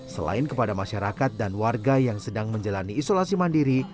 selain kepada masyarakat dan warga yang sedang menjalani isolasi mandiri